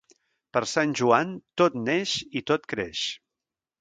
Per Sant Joan tot neix i tot creix.